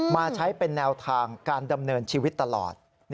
มาใช้เป็นแนวทางการดำเนินชีวิตตลอด